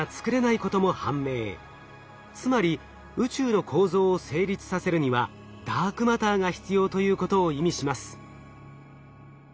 つまり宇宙の構造を成立させるにはダークマターが必要ということを意味します。